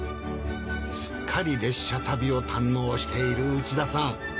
すっかり列車旅を堪能している内田さん。